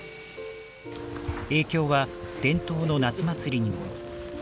影響は伝統の夏祭りにも。